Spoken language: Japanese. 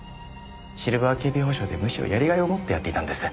シルバー警備保障でむしろやりがいを持ってやっていたんです。